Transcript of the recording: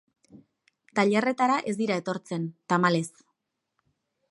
Tailerretara ez dira etortzen, tamalez.